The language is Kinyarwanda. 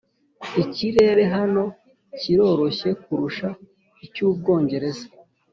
ikirere hano kiroroshye kurusha icy'ubwongereza.